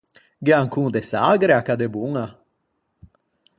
Gh'é ancon de sagre à Cadeboña?